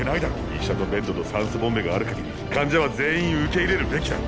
医者とベッドと酸素ボンベがある限り患者は全員受け入れるべきだ。